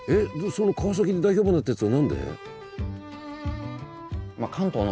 その川崎で大評判になったやつは何で？